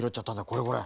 これこれ。